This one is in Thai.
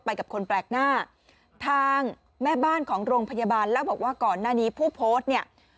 กับคนแปลกหน้าทางแม่บ้านของโรงพยาบาลแล้วบอกว่าก่อนหน้านี้ผู้โพสต์เนี่ย